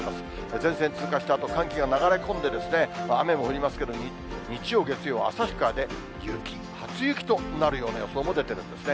前線通過したあと、寒気が流れ込んで、雨も降りますけど、日曜、月曜は旭川で雪、初雪となるような予想も出てるんですね。